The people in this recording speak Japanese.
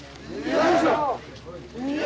よいしょ！